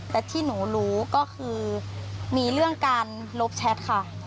แต่ที่หนูรู้ก็คือมีเรื่องการลบแชทค่ะ